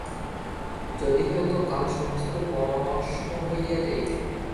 যদি হয় তো কাল সমস্ত ভস্ম হইয়া যাইবে।